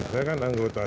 saya kan anggota saja